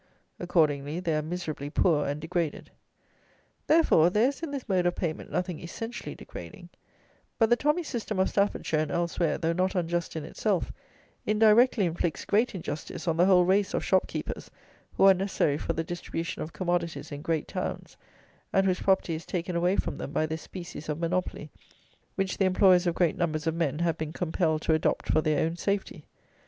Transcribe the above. Accordingly, they are miserably poor and degraded. Therefore, there is in this mode of payment nothing essentially degrading; but the tommy system of Staffordshire, and elsewhere, though not unjust in itself, indirectly inflicts great injustice on the whole race of shop keepers, who are necessary for the distribution of commodities in great towns, and whose property is taken away from them by this species of monopoly, which the employers of great numbers of men have been compelled to adopt for their own safety.